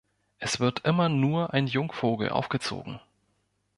Es wird immer nur ein Jungvogel aufgezogen.